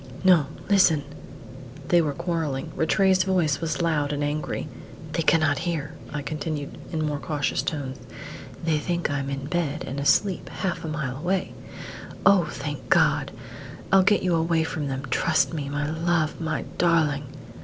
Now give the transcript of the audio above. "No listen!" They were quarrelling. Rattray's voice was loud and angry. "They cannot hear," I continued, in more cautious tones; "they think I'm in bed and asleep half a mile away. Oh, thank God! I'll get you away from them; trust me, my love, my darling!"